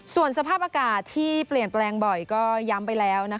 ส่วนสภาพอากาศที่เปลี่ยนแปลงบ่อยก็ย้ำไปแล้ว